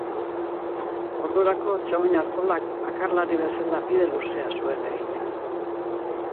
Ordurako Txomin Artolak bakarlari bezala bide luzea zuen egina.